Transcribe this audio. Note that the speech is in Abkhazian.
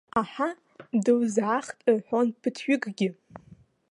Аҳа, дылзаахт рҳәон ԥыҭҩыкгьы.